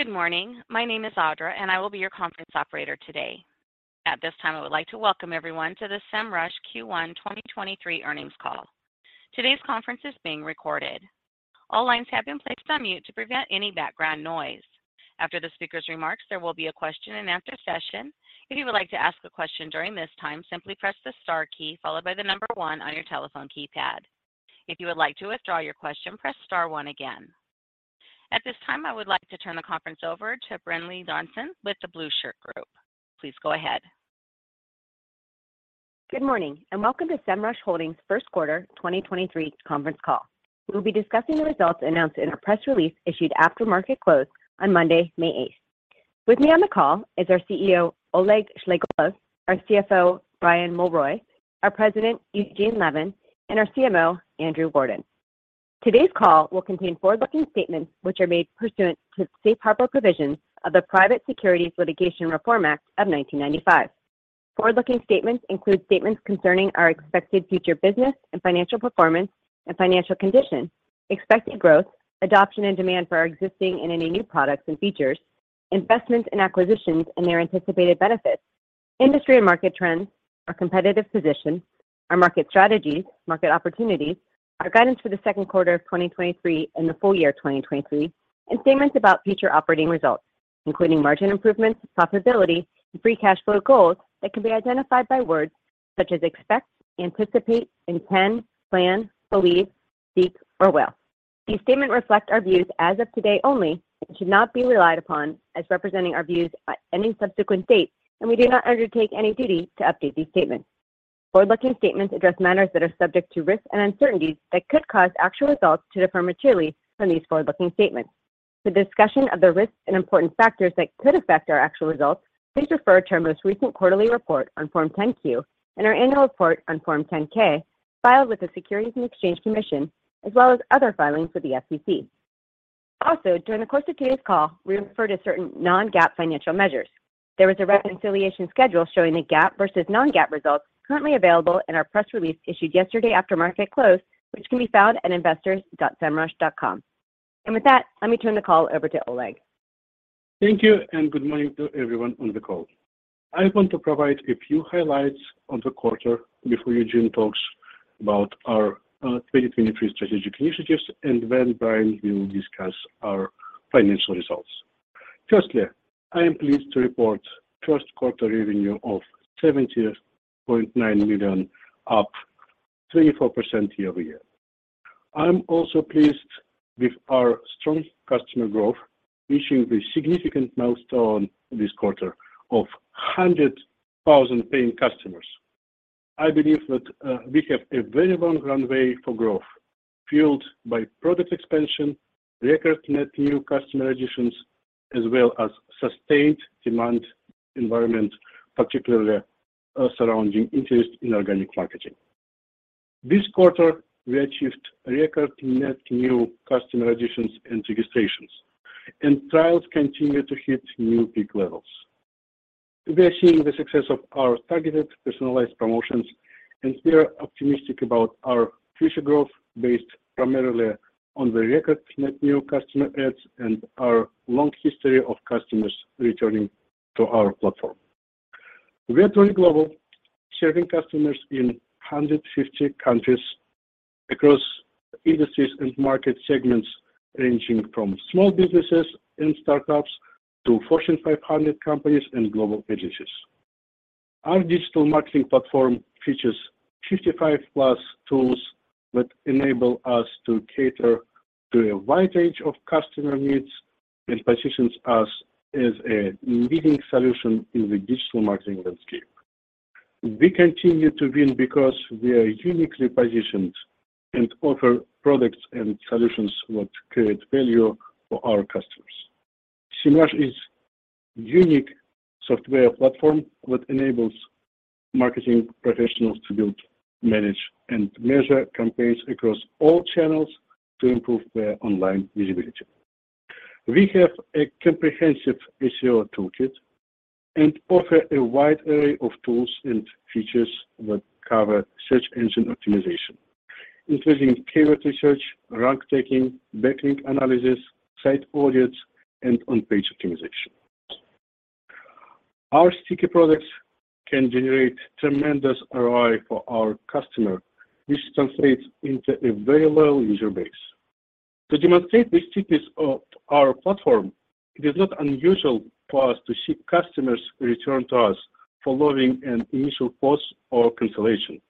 Good morning. My name is Audra. I will be your conference operator today. At this time, I would like to welcome everyone to the Semrush Q1 2023 earnings call. Today's conference is being recorded. All lines have been placed on mute to prevent any background noise. After the speaker's remarks, there will be a question and answer session. If you would like to ask a question during this time, simply press the star key followed by 1 on your telephone keypad. If you would like to withdraw your question, press star 1 again. At this time, I would like to turn the conference over to Brinlea Johnson with The Blueshirt Group. Please go ahead. Good morning, welcome to Semrush Holdings first quarter 2023 conference call. We'll be discussing the results announced in our press release issued after market close on Monday, May 8th. With me on the call is our CEO, Oleg Shchegolev, our CFO, Brian Mulroy, our President, Eugene Levin, and our CMO, Andrew Warden. Today's call will contain forward-looking statements which are made pursuant to the safe harbor provisions of the Private Securities Litigation Reform Act of 1995. Forward-looking statements include statements concerning our expected future business and financial performance and financial condition, expected growth, adoption and demand for our existing and any new products and features, investments and acquisitions and their anticipated benefits, industry and market trends, our competitive position, our market strategies, market opportunities, our guidance for the second quarter of 2023 and the full year of 2023, and statements about future operating results, including margin improvements, profitability, and free cash flow goals that can be identified by words such as expect, anticipate, intend, plan, believe, seek, or will. These statements reflect our views as of today only and should not be relied upon as representing our views at any subsequent date, and we do not undertake any duty to update these statements. Forward-looking statements address matters that are subject to risks and uncertainties that could cause actual results to differ materially from these forward-looking statements. For discussion of the risks and important factors that could affect our actual results, please refer to our most recent quarterly report on Form 10-Q and our annual report on Form 10-K filed with the Securities and Exchange Commission, as well as other filings with the SEC. Also, during the course of today's call, we refer to certain non-GAAP financial measures. There is a reconciliation schedule showing the GAAP versus non-GAAP results currently available in our press release issued yesterday after market close, which can be found at investors.semrush.com. With that, let me turn the call over to Oleg. Thank you and good morning to everyone on the call. I want to provide a few highlights on the quarter before Eugene talks about our 2023 strategic initiatives, and then Brian will discuss our financial results. Firstly, I am pleased to report first quarter revenue of $70.9 million, up 34% year-over-year. I'm also pleased with our strong customer growth, reaching the significant milestone this quarter of 100,000 paying customers. I believe that we have a very long runway for growth, fueled by product expansion, record net new customer additions, as well as sustained demand environment, particularly surrounding interest in organic marketing. This quarter we achieved record net new customer additions and registrations, and trials continue to hit new peak levels. We are seeing the success of our targeted personalized promotions. We are optimistic about our future growth based primarily on the record net new customer adds and our long history of customers returning to our platform. We are going global, serving customers in 150 countries across industries and market segments, ranging from small businesses and startups to Fortune 500 companies and global agencies. Our digital marketing platform features 55 plus tools that enable us to cater to a wide range of customer needs and positions us as a leading solution in the digital marketing landscape. We continue to win because we are uniquely positioned and offer products and solutions which create value for our customers. Semrush is unique software platform which enables marketing professionals to build, manage, and measure campaigns across all channels to improve their online visibility. We have a comprehensive SEO toolkit and offer a wide array of tools and features that cover search engine optimization, including keyword research, rank tracking, backlink analysis, site audits, and on-page optimization. Our sticky products can generate tremendous ROI for our customer, which translates into a very loyal user base. To demonstrate the stickiness of our platform, it is not unusual for us to see customers return to us following an initial pause or cancellation.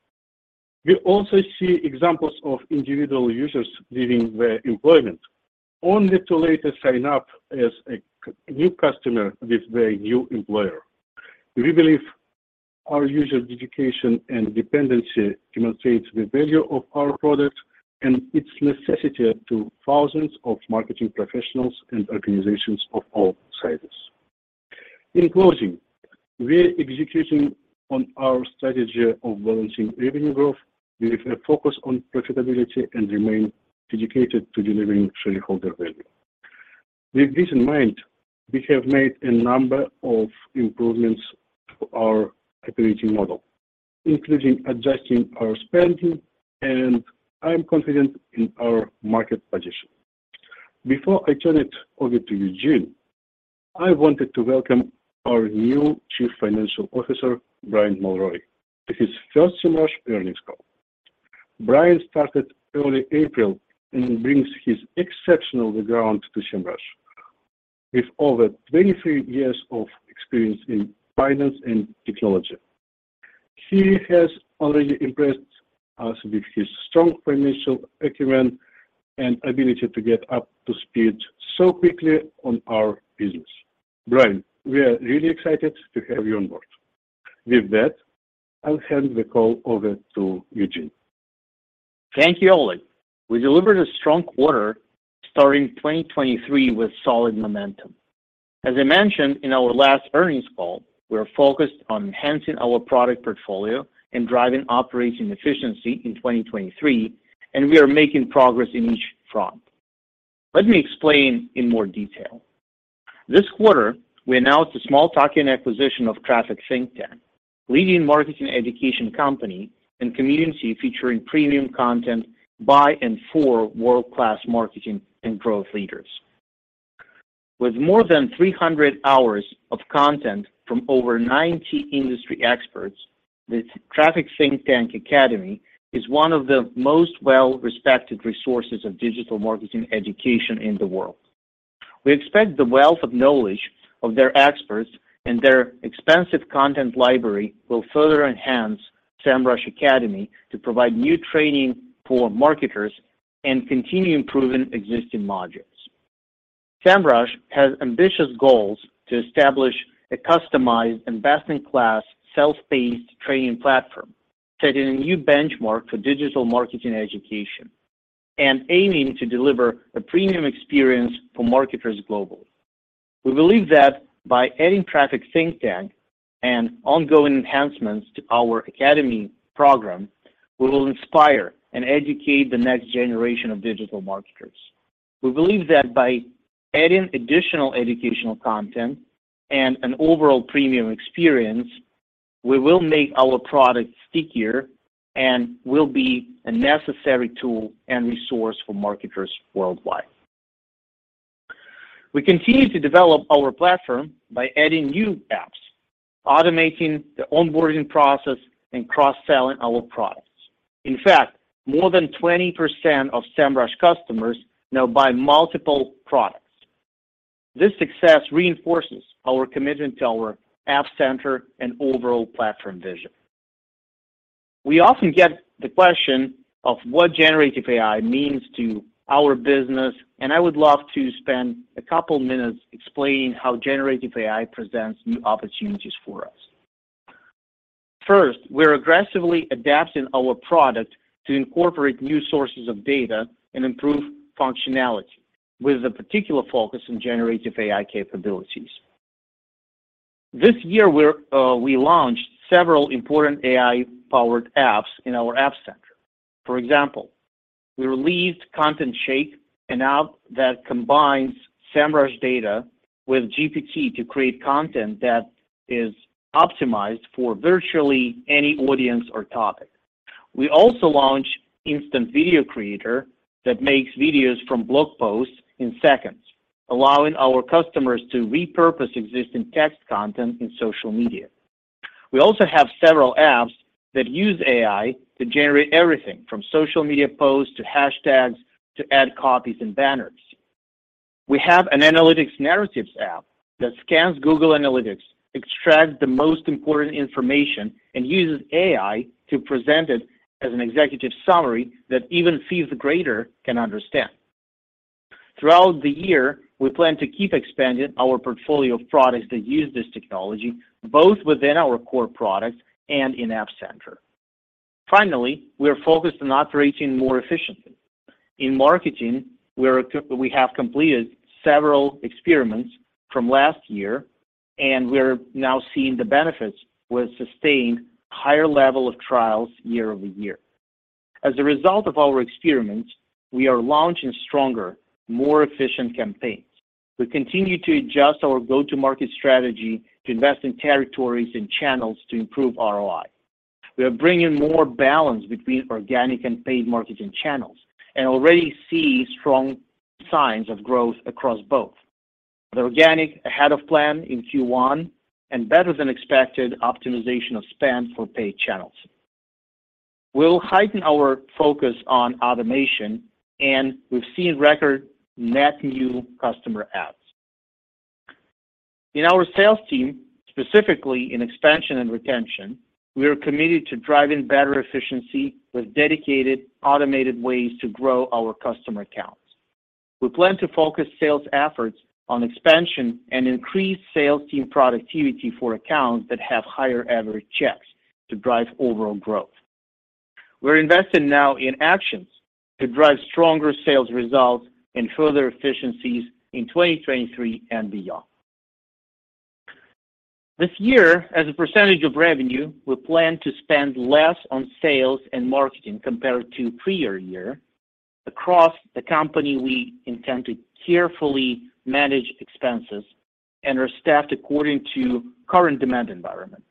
We also see examples of individual users leaving their employment, only to later sign up as a new customer with their new employer. We believe our user dedication and dependency demonstrates the value of our product and its necessity to thousands of marketing professionals and organizations of all sizes. In closing, we're executing on our strategy of balancing revenue growth with a focus on profitability and remain dedicated to delivering shareholder value. With this in mind, we have made a number of improvements to our operating model. Including adjusting our spending. I am confident in our market position. Before I turn it over to Eugene, I wanted to welcome our new Chief Financial Officer, Brian Mulroy. It's his first Semrush earnings call. Brian started early April and brings his exceptional background to Semrush. With over 23 years of experience in finance and technology. He has already impressed us with his strong financial acumen and ability to get up to speed so quickly on our business. Brian, we are really excited to have you on board. With that, I'll hand the call over to Eugene. Thank you, Oleg. We delivered a strong quarter starting 2023 with solid momentum. As I mentioned in our last earnings call, we are focused on enhancing our product portfolio and driving operation efficiency in 2023, and we are making progress in each front. Let me explain in more detail. This quarter, we announced a small token acquisition of Traffic Think Tank, leading marketing education company and community featuring premium content by and for world-class marketing and growth leaders. With more than 300 hours of content from over 90 industry experts, the Traffic Think Tank Academy is one of the most well-respected resources of digital marketing education in the world. We expect the wealth of knowledge of their experts and their expansive content library will further enhance Semrush Academy to provide new training for marketers and continue improving existing modules. Semrush has ambitious goals to establish a customized and best-in-class self-paced training platform, setting a new benchmark for digital marketing education and aiming to deliver a premium experience for marketers globally. We believe that by adding Traffic Think Tank and ongoing enhancements to our Academy program, we will inspire and educate the next generation of digital marketers. We believe that by adding additional educational content and an overall premium experience, we will make our product stickier and will be a necessary tool and resource for marketers worldwide. We continue to develop our platform by adding new apps, automating the onboarding process, and cross-selling our products. In fact, more than 20% of Semrush customers now buy multiple products. This success reinforces our commitment to our App Center and overall platform vision. We often get the question of what generative AI means to our business, I would love to spend a couple minutes explaining how generative AI presents new opportunities for us. First, we're aggressively adapting our product to incorporate new sources of data and improve functionality with a particular focus on generative AI capabilities. This year, we launched several important AI-powered apps in our App Center. We released ContentShake, an app that combines Semrush data with GPT to create content that is optimized for virtually any audience or topic. We also launched Instant Video Creator that makes videos from blog posts in seconds, allowing our customers to repurpose existing text content in social media. We also have several apps that use AI to generate everything from social media posts to hashtags to ad copies and banners. We have an analytics narratives app that scans Google Analytics, extracts the most important information, and uses AI to present it as an executive summary that even C-suite grader can understand. Throughout the year, we plan to keep expanding our portfolio of products that use this technology, both within our core products and in App Center. Finally, we are focused on operating more efficiently. In marketing, we have completed several experiments from last year, and we are now seeing the benefits with sustained higher level of trials year-over-year. As a result of our experiments, we are launching stronger, more efficient campaigns. We continue to adjust our go-to-market strategy to invest in territories and channels to improve ROI. We are bringing more balance between organic and paid marketing channels and already see strong signs of growth across both. The organic ahead of plan in Q1 and better than expected optimization of spend for paid channels. We'll heighten our focus on automation, and we've seen record net new customer adds. In our sales team, specifically in expansion and retention, we are committed to driving better efficiency with dedicated automated ways to grow our customer accounts. We plan to focus sales efforts on expansion and increase sales team productivity for accounts that have higher average checks to drive overall growth. We're investing now in actions to drive stronger sales results and further efficiencies in 2023 and beyond. This year, as a percentage of revenue, we plan to spend less on sales and marketing compared to prior year. Across the company, we intend to carefully manage expenses and are staffed according to current demand environment.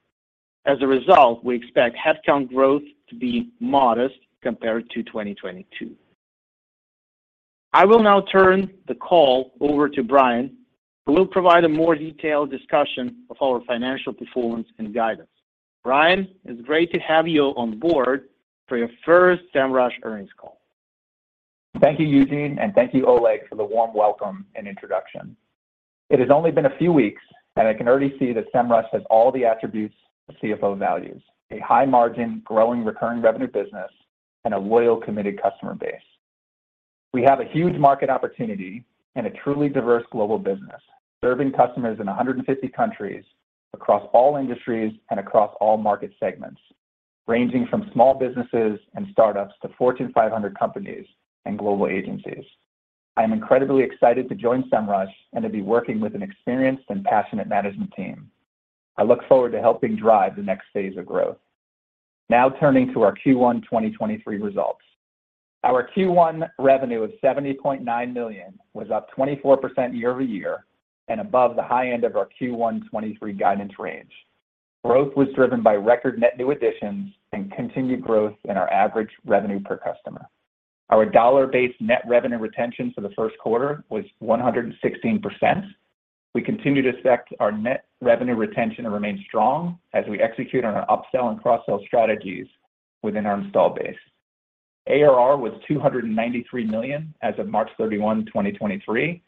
As a result, we expect headcount growth to be modest compared to 2022. I will now turn the call over to Brian, who will provide a more detailed discussion of our financial performance and guidance. Brian, it's great to have you on board for your first Semrush earnings call. Thank you, Eugene, and thank you Oleg for the warm welcome and introduction. It has only been a few weeks, and I can already see that Semrush has all the attributes a CFO values, a high margin, growing recurring revenue business, and a loyal, committed customer base. We have a huge market opportunity and a truly diverse global business, serving customers in 150 countries across all industries and across all market segments, ranging from small businesses and startups to Fortune 500 companies and global agencies. I am incredibly excited to join Semrush and to be working with an experienced and passionate management team. I look forward to helping drive the next phase of growth. Now turning to our Q1 2023 results. Our Q1 revenue of $70.9 million was up 24% year-over-year and above the high end of our Q1 2023 guidance range. Growth was driven by record net new additions and continued growth in our average revenue per customer. Our dollar-based net revenue retention for the first quarter was 116%. We continue to expect our net revenue retention to remain strong as we execute on our upsell and cross-sell strategies within our install base. ARR was $293 million as of March 31, 2023.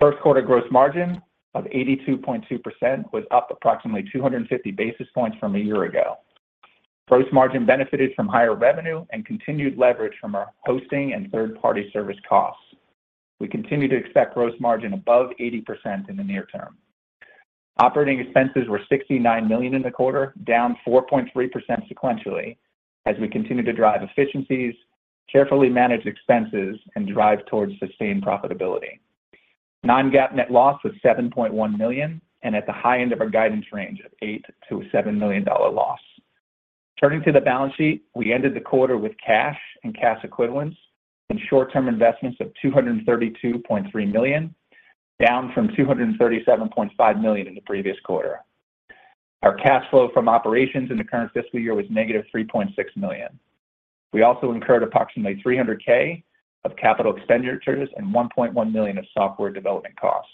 First quarter gross margin of 82.2% was up approximately 250 basis points from a year ago. Gross margin benefited from higher revenue and continued leverage from our hosting and third-party service costs. We continue to expect gross margin above 80% in the near term. Operating expenses were $69 million in the quarter, down 4.3% sequentially as we continue to drive efficiencies, carefully manage expenses, and drive towards sustained profitability. Non-GAAP net loss was $7.1 million and at the high end of our guidance range of $8 million-$7 million loss. Turning to the balance sheet, we ended the quarter with cash and cash equivalents and short-term investments of $232.3 million, down from $237.5 million in the previous quarter. Our cash flow from operations in the current fiscal year was -$3.6 million. We also incurred approximately $300K of capital expenditures and $1.1 million of software development costs.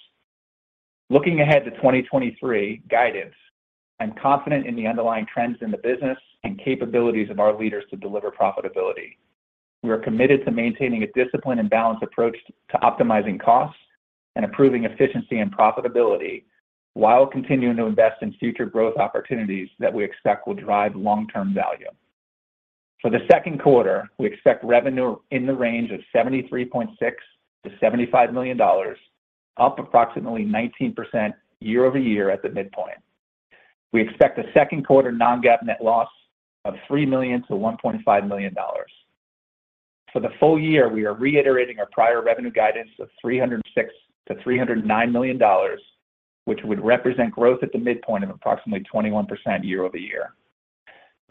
Looking ahead to 2023 guidance, I'm confident in the underlying trends in the business and capabilities of our leaders to deliver profitability. We are committed to maintaining a disciplined and balanced approach to optimizing costs and improving efficiency and profitability while continuing to invest in future growth opportunities that we expect will drive long-term value. For the second quarter, we expect revenue in the range of $73.6 million-$75 million, up approximately 19% year-over-year at the midpoint. We expect a second quarter non-GAAP net loss of $3 million-$1.5 million. For the full year, we are reiterating our prior revenue guidance of $306 million-$309 million, which would represent growth at the midpoint of approximately 21% year-over-year.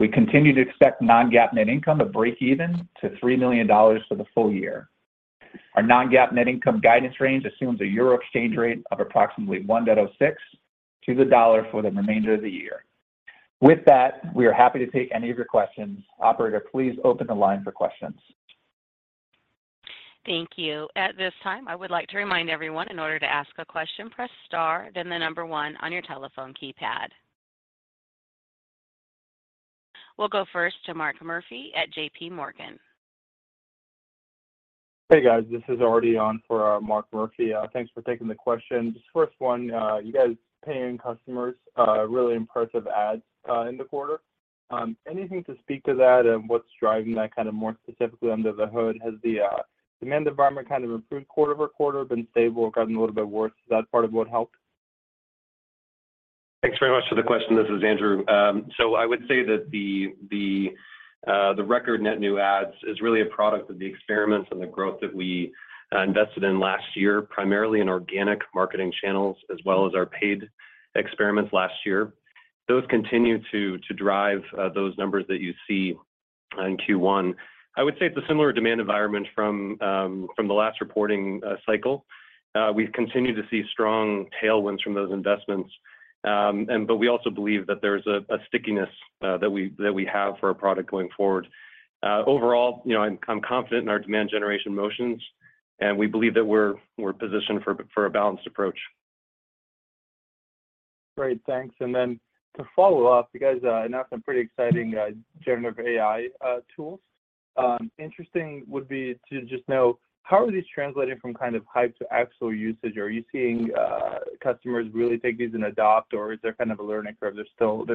We continue to expect non-GAAP net income to break even to $3 million for the full year. Our non-GAAP net income guidance range assumes a euro exchange rate of approximately 1.06 to the dollar for the remainder of the year. With that, we are happy to take any of your questions. Operator, please open the line for questions. Thank you. At this time, I would like to remind everyone in order to ask a question, press star, then the number 1 on your telephone keypad. We'll go first to Mark Murphy at JPMorgan. Hey, guys, this is already on for Mark Murphy. Thanks for taking the questions. First one, you guys paying customers, really impressive ads in the quarter. Anything to speak to that and what's driving that kind of more specifically under the hood? Has the demand environment kind of improved quarter-over-quarter, been stable, gotten a little bit worse? Is that part of what helped? Thanks very much for the question. This is Andrew. I would say that the record net new ads is really a product of the experiments and the growth that we invested in last year, primarily in organic marketing channels as well as our paid experiments last year. Those continue to drive those numbers that you see in Q1. I would say it's a similar demand environment from the last reporting cycle. We've continued to see strong tailwinds from those investments, but we also believe that there's a stickiness that we have for our product going forward. Overall, you know, I'm confident in our demand generation motions, and we believe that we're positioned for a balanced approach. Great. Thanks. To follow up, you guys announced some pretty exciting generative AI tools. Interesting would be to just know how are these translating from kind of hype to actual usage? Are you seeing customers really take these and adopt, or is there kind of a learning curve they're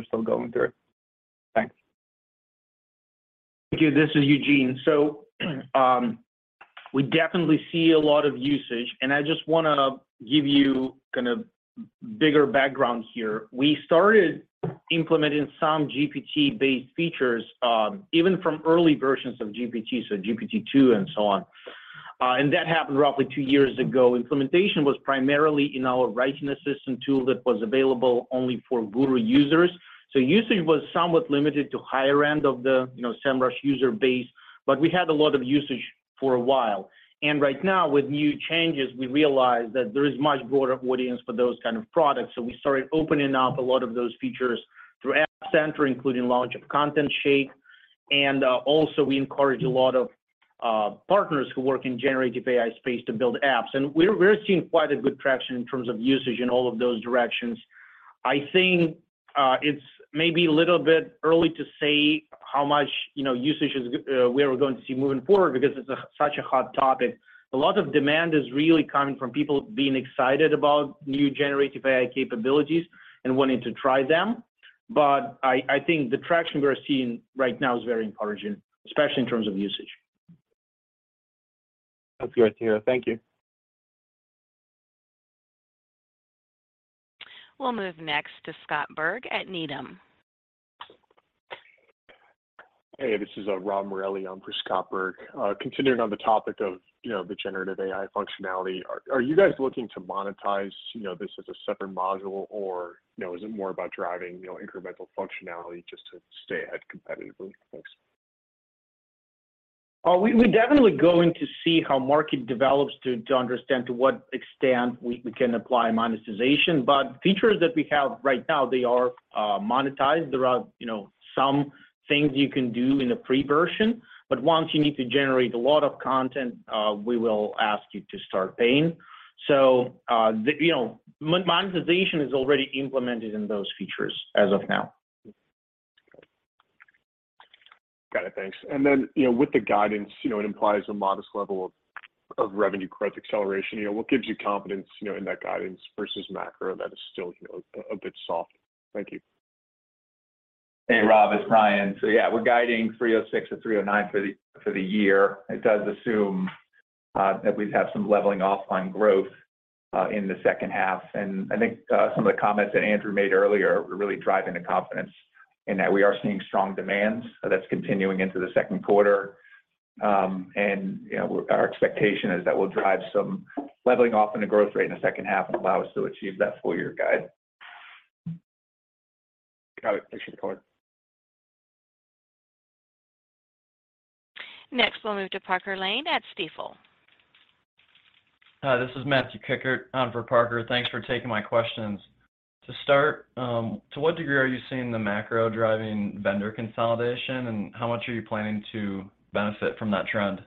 still going through? Thanks. Thank you. This is Eugene. We definitely see a lot of usage, and I just wanna give you kind of bigger background here. We started implementing some GPT-based features, even from early versions of GPT, so GPT-2 and so on. That happened roughly two years ago. Implementation was primarily in our writing assistant tool that was available only for Guru users. Usage was somewhat limited to higher end of the, you know, Semrush user base, but we had a lot of usage for a while. Right now with new changes, we realize that there is much broader audience for those kind of products, so we started opening up a lot of those features through App Center, including launch of ContentShake. Also we encourage a lot of partners who work in generative AI space to build apps. We're seeing quite a good traction in terms of usage in all of those directions. I think it's maybe a little bit early to say how much, you know, usage we are going to see moving forward because it's a, such a hot topic. A lot of demand is really coming from people being excited about new generative AI capabilities and wanting to try them. I think the traction we're seeing right now is very encouraging, especially in terms of usage. That's great to hear. Thank you. We'll move next to Scott Berg at Needham. Hey, this is Rob Morelli on for Scott Berg. Continuing on the topic of, you know, the generative AI functionality, are you guys looking to monetize, you know, this as a separate module or, you know, is it more about driving, you know, incremental functionality just to stay ahead competitively? Thanks. We, we're definitely going to see how market develops to understand to what extent we can apply monetization. Features that we have right now, they are monetized. There are, you know, some things you can do in a free version, but once you need to generate a lot of content, we will ask you to start paying. The, you know, monetization is already implemented in those features as of now. Got it. Thanks. Then, you know, with the guidance, you know, it implies a modest level of revenue growth acceleration. You know, what gives you confidence, you know, in that guidance versus macro that is still, you know, a bit soft? Thank you. Hey, Rob, it's Brian. Yeah, we're guiding $306 million-$309 million for the year. It does assume that we've had some leveling off on growth in the second half. I think some of the comments that Andrew made earlier are really driving the confidence in that we are seeing strong demands, so that's continuing into the second quarter. You know, our expectation is that we'll drive some leveling off in the growth rate in the second half and allow us to achieve that full year guide. Got it. Appreciate the color. We'll move to Parker Lane at Stifel. This is Matthew Kikkert on for Parker. Thanks for taking my questions. To start, to what degree are you seeing the macro driving vendor consolidation, and how much are you planning to benefit from that trend?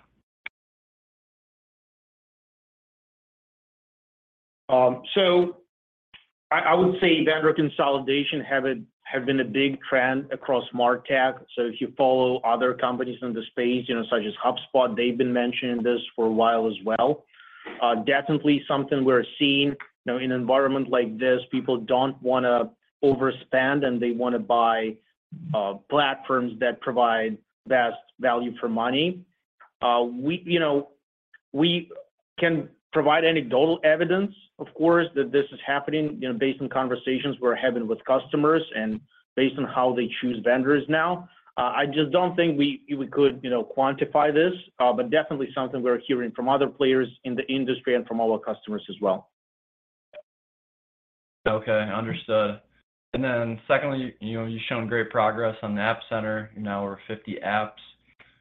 I would say vendor consolidation have been a big trend across MarTech. If you follow other companies in the space, you know, such as HubSpot, they've been mentioning this for a while as well. Definitely something we're seeing. You know, in environment like this, people don't wanna overspend, and they wanna buy platforms that provide best value for money. We, you know, we can provide anecdotal evidence, of course, that this is happening, you know, based on conversations we're having with customers and based on how they choose vendors now. I just don't think we could, you know, quantify this, but definitely something we're hearing from other players in the industry and from our customers as well. Okay. Understood. Secondly, you know, you've shown great progress on the App Center. You now over 50 apps.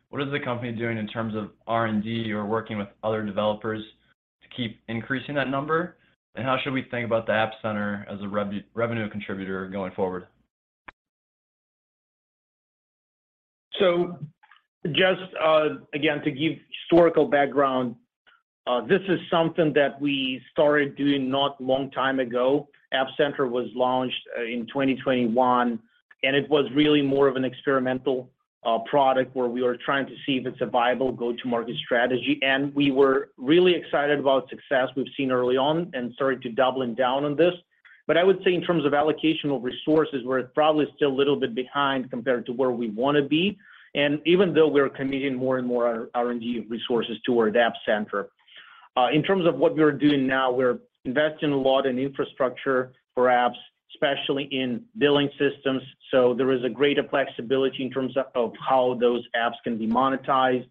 What is the company doing in terms of R&D or working with other developers to keep increasing that number? How should we think about the App Center as a revenue contributor going forward? Just, again, to give historical background, this is something that we started doing not long time ago. App Center was launched in 2021, and it was really more of an experimental product where we were trying to see if it's a viable go-to-market strategy. We were really excited about success we've seen early on and started to doubling down on this. I would say in terms of allocation of resources, we're probably still a little bit behind compared to where we wanna be, and even though we're committing more and more R&D resources toward App Center. In terms of what we are doing now, we're investing a lot in infrastructure for apps, especially in billing systems, so there is a greater flexibility in terms of how those apps can be monetized.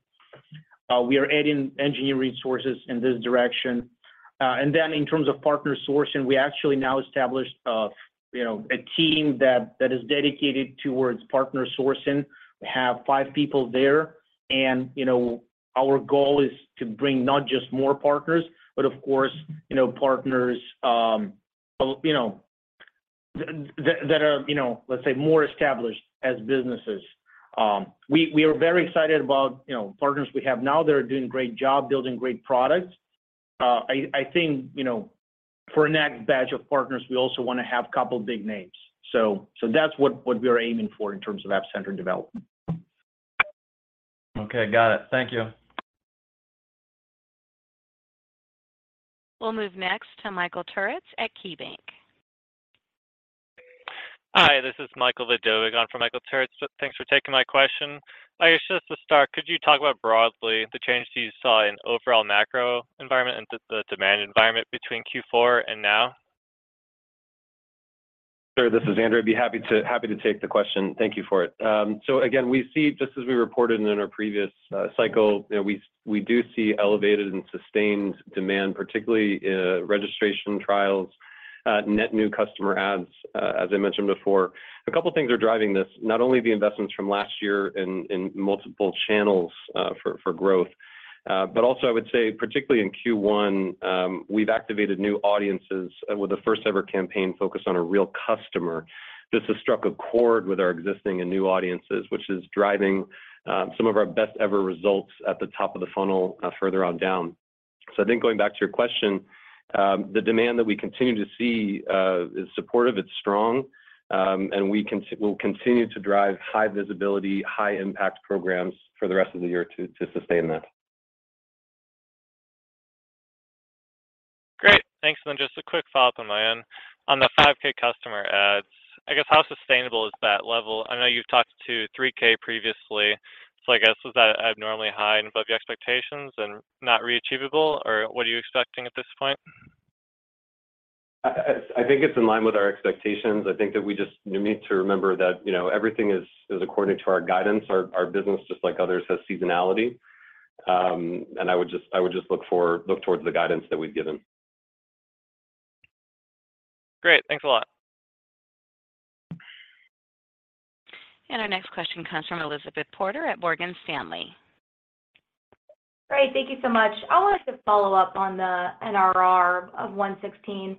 We are adding engineering resources in this direction. Then in terms of partner sourcing, we actually now established a team that is dedicated towards partner sourcing. We have five people there, our goal is to bring not just more partners, but of course, partners that are, let's say more established as businesses. We are very excited about partners we have now. They're doing great job building great products. I think for next batch of partners, we also wanna have couple big names. That's what we are aiming for in terms of App Center development. Okay. Got it. Thank you. We'll move next to Michael Turits at KeyBanc Capital Markets. Hi, this is Michael Vidovic on for Michael Turits. Thanks for taking my question. I guess just to start, could you talk about broadly the changes you saw in overall macro environment and the demand environment between Q4 and now? Sure. This is Andrew. I'd be happy to take the question. Thank you for it. Again, we see just as we reported in our previous cycle, we do see elevated and sustained demand, particularly in registration trials, net new customer adds, as I mentioned before. A couple things are driving this, not only the investments from last year in multiple channels for growth, but also I would say particularly in Q1, we've activated new audiences with a first ever campaign focused on a real customer. This has struck a chord with our existing and new audiences, which is driving some of our best ever results at the top of the funnel further on down. I think going back to your question, the demand that we continue to see, is supportive, it's strong, and we'll continue to drive high visibility, high impact programs for the rest of the year to sustain that. Great. Thanks. Just a quick follow-up on my end. On the 5K customer adds, I guess how sustainable is that level? I know you've talked to 3K previously, so I guess was that abnormally high and above your expectations and not re-achievable? Or what are you expecting at this point? I think it's in line with our expectations. I think that we just need to remember that, you know, everything is according to our guidance. Our, our business, just like others, has seasonality. I would just look towards the guidance that we've given. Great. Thanks a lot. Our next question comes from Elizabeth Porter at Morgan Stanley. Great. Thank you so much. I wanted to follow up on the NRR of 116%.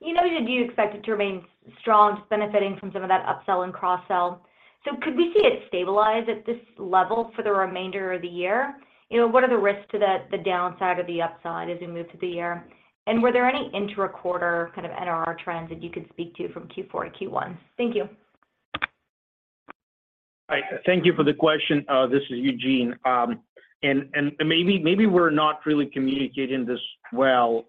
You know, you do expect it to remain strong, just benefiting from some of that upsell and cross-sell. Could we see it stabilize at this level for the remainder of the year? You know, what are the risks to the downside or the upside as we move through the year? Were there any inter-quarter kind of NRR trends that you could speak to from Q4 to Q1? Thank you. Thank you for the question. This is Eugene. and maybe we're not really communicating this well,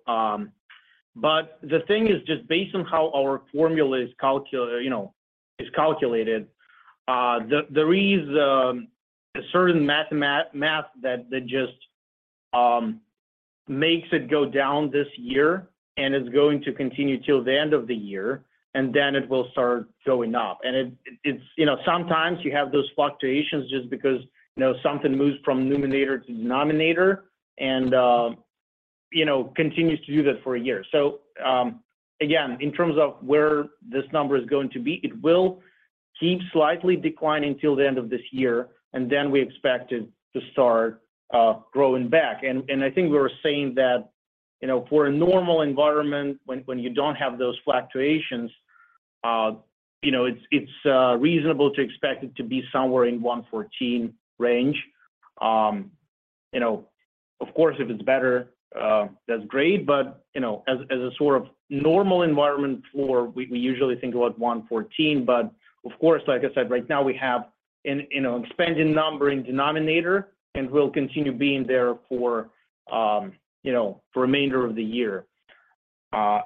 but the thing is just based on how our formula is, you know, calculated, there is a certain math that just makes it go down this year, and it's going to continue till the end of the year, and then it will start going up. It's, you know, sometimes you have those fluctuations just because, you know, something moves from numerator to denominator and, you know, continues to do that for a year. Again, in terms of where this number is going to be, it will keep slightly declining till the end of this year, and then we expect it to start growing back. I think we were saying that, you know, for a normal environment when you don't have those fluctuations, you know, it's reasonable to expect it to be somewhere in 114% range. You know, of course, if it's better, that's great, but, you know, as a sort of normal environment floor, we usually think about 114%. Of course, like I said, right now we have an expanding number in denominator and will continue being there for, you know, for remainder of the year.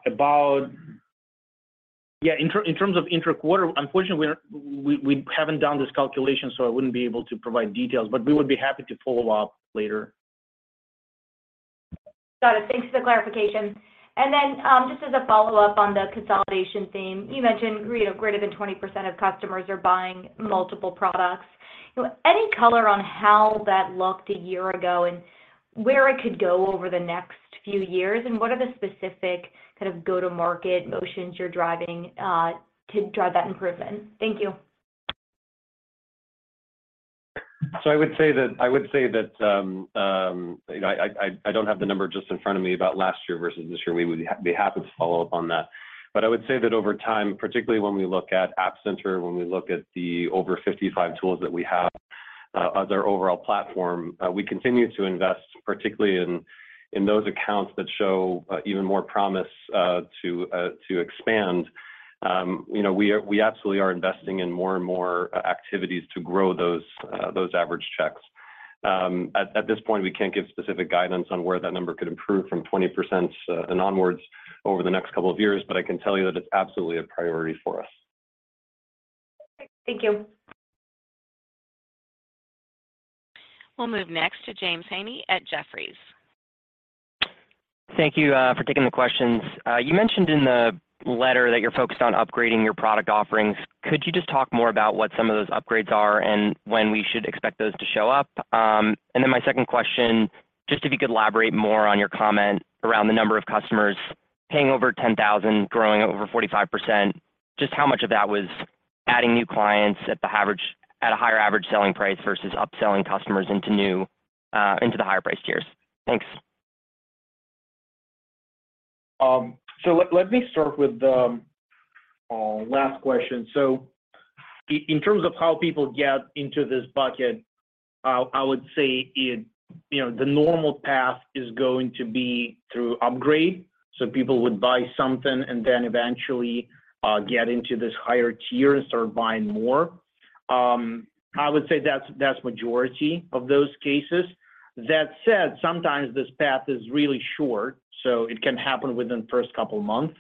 In terms of intra-quarter, unfortunately we haven't done this calculation, so I wouldn't be able to provide details, but we would be happy to follow up later. Got it. Thanks for the clarification. Just as a follow-up on the consolidation theme, you mentioned, you know, greater than 20% of customers are buying multiple products. You know, any color on how that looked a year ago and where it could go over the next few years, and what are the specific kind of go-to-market motions you're driving to drive that improvement? Thank you. I would say that, you know, I don't have the number just in front of me about last year versus this year. We would be happy to follow up on that. I would say that over time, particularly when we look at App Center, when we look at the over 55 tools that we have as our overall platform, we continue to invest particularly in those accounts that show even more promise to expand. You know, we absolutely are investing in more and more activities to grow those average checks. At this point, we can't give specific guidance on where that number could improve from 20% and onwards over the next couple of years, but I can tell you that it's absolutely a priority for us. Thank you. We'll move next to James Heaney at Jefferies. Thank you for taking the questions. You mentioned in the letter that you're focused on upgrading your product offerings. Could you just talk more about what some of those upgrades are and when we should expect those to show up? My second question, just if you could elaborate more on your comment around the number of customers paying over $10,000, growing over 45%, just how much of that was adding new clients at a higher average selling price versus upselling customers into new into the higher price tiers? Thanks. Let me start with the last question. In terms of how people get into this bucket, I would say it, you know, the normal path is going to be through upgrade. People would buy something and then eventually get into this higher tier and start buying more. I would say that's majority of those cases. That said, sometimes this path is really short, so it can happen within the first couple of months.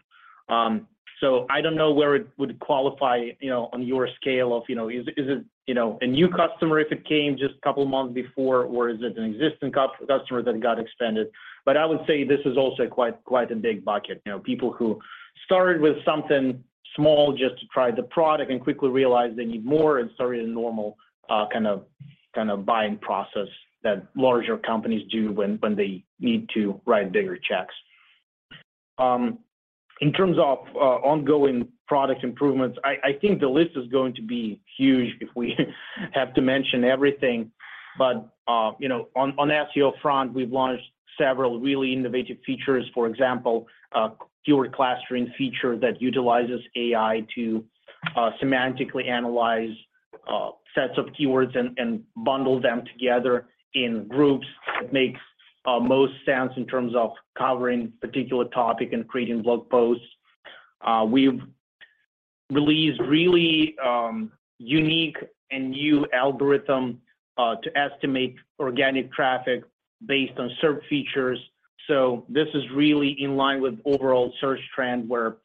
I don't know where it would qualify, you know, on your scale of, you know, is it, you know, a new customer if it came just a couple of months before, or is it an existing customer that got expanded? I would say this is also quite a big bucket. You know, people who started with something small just to try the product and quickly realized they need more and started a normal. Kind of buying process that larger companies do when they need to write bigger checks. In terms of ongoing product improvements, I think the list is going to be huge if we have to mention everything. You know, on SEO front, we've launched several really innovative features. For example, a keyword clustering feature that utilizes AI to semantically analyze sets of keywords and bundle them together in groups that makes most sense in terms of covering particular topic and creating blog posts. We've released really unique and new algorithm to estimate organic traffic based on search features. This is really in line with overall search trend where,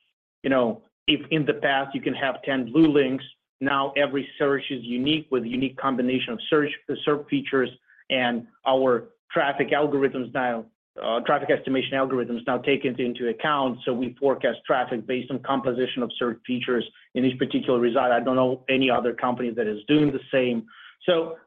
you know, if in the past you can have 10 blue links, now every search is unique with a unique combination of search, the search features and our traffic algorithms now traffic estimation algorithms now take it into account, so we forecast traffic based on composition of search features in this particular result. I don't know any other company that is doing the same.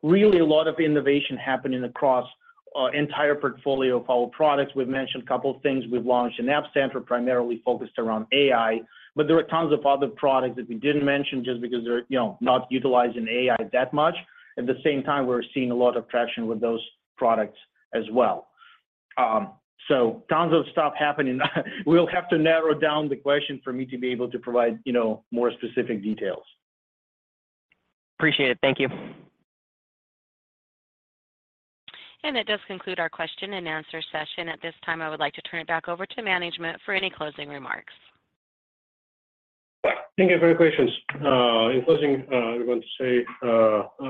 Really a lot of innovation happening across our entire portfolio of our products. We've mentioned a couple of things. We've launched an App Center primarily focused around AI, but there are tons of other products that we didn't mention just because they're, you know, not utilizing AI that much. At the same time, we're seeing a lot of traction with those products as well. Tons of stuff happening. We'll have to narrow down the question for me to be able to provide, you know, more specific details. Appreciate it. Thank you. That does conclude our question and answer session. At this time, I would like to turn it back over to management for any closing remarks. Thank you for your questions. In closing, I want to say,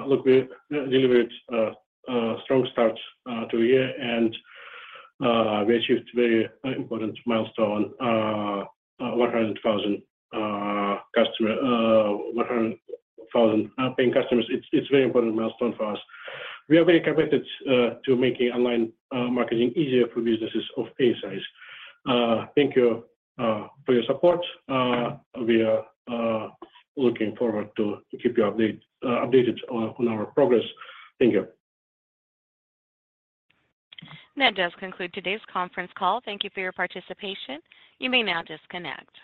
look, we delivered a strong start to the year, and we achieved very important milestone, 100,000 customer, 100,000 paying customers. It's very important milestone for us. We are very committed to making online marketing easier for businesses of any size. Thank you for your support. We are looking forward to keep you updated on our progress. Thank you. That does conclude today's conference call. Thank you for your participation. You may now disconnect.